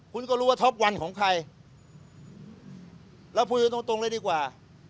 คุณก็รู้ว่าท็อปวันของใครเราคุยกันตรงตรงเลยดีกว่า